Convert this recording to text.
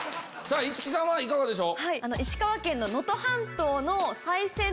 市來さんはいかがでしょう？